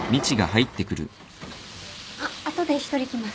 あっ後で１人来ます。